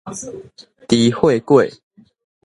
豬血稞